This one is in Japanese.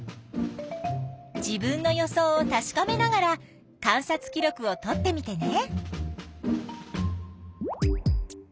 自分の予想をたしかめながら観察記録をとってみてね！